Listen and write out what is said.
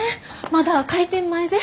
まだ開店前で。